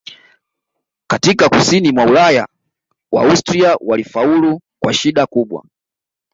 Katika Kusini mwa Ulaya Waustria walifaulu kwa shida kubwa